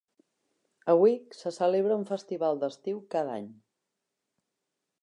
A Wick se celebra un festival d'estiu cada any.